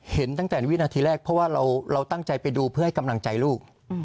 เห็นตั้งแต่วินาทีแรกเพราะว่าเราตั้งใจไปดูเพื่อให้กำลังใจลูก